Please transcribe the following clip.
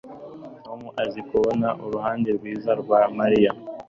tom azi kubona uruhande rwiza rwa mariya